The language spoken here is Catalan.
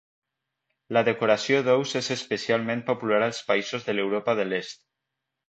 La decoració d'ous és especialment popular als països de l'Europa de l'Est.